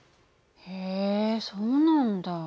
へえそうなんだ。